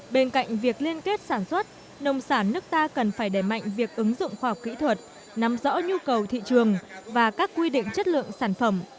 bên cạnh việc liên kết sản xuất nông sản nước ta cần phải đẩy mạnh việc ứng dụng khoa học kỹ thuật nắm rõ nhu cầu thị trường và các quy định chất lượng sản phẩm